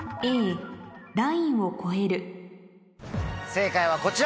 正解はこちら！